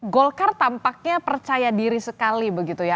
golkar tampaknya percaya diri sekali begitu ya